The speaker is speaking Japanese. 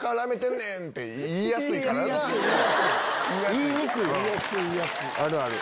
言いにくいわ！